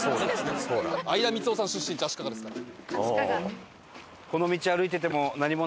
相田みつをさん出身地足利ですから。